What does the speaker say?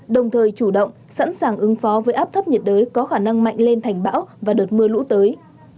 đồng thời chủ động sẵn sàng ứng phó với áp thấp nhiệt đới có khả năng mạnh lên thành bão và đợt mưa lũ tới